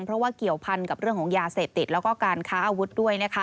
เพราะว่าเกี่ยวพันกับเรื่องของยาเสพติดแล้วก็การค้าอาวุธด้วยนะคะ